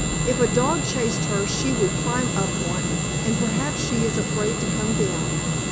"If a dog chased her she would climb up one, and perhaps she is afraid to come down."